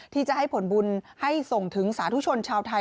ที่จะให้ผลบุญให้ส่งถึงสาธุชนชาวไทย